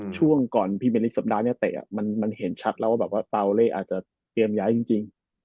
ช่วงก่อนพี่เบลิกสัปดาห์เนี่ยเตะมันเห็นชัดแล้วว่าแบบว่าเตาเล่อาจจะเตรียมย้ายจริง